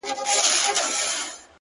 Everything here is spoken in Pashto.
ټوله وركه يې”